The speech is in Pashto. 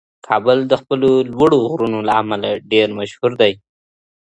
کابل د خپلو لوړو غرونو له امله ډېر مشهور دی.